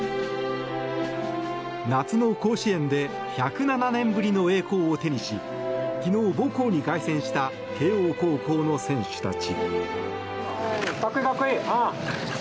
夏の甲子園で１０７年ぶりの栄光を手にし昨日、母校に凱旋した慶応高校の選手たち。